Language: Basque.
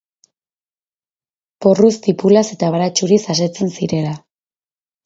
Porruz, tipulaz eta baratxuriz asetzen zirela.